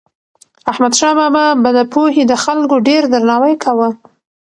احمدشاه بابا به د پوهې د خلکو ډېر درناوی کاوه.